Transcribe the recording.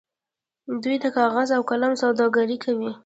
دوی د کاغذ او قلم سوداګري کوي.